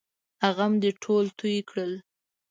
غم دې ټول توی کړل!